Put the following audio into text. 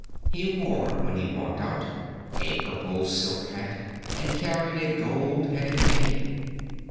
He wore, when he walked out, a purple silk hat and carried a gold headed cane.